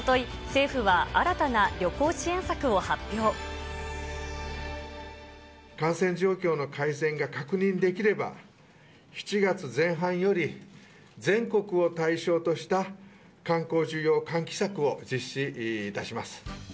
おととい、感染状況の改善が確認できれば、７月前半より、全国を対象とした観光需要喚起策を実施いたします。